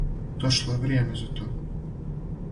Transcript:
Дошло је вријеме за то.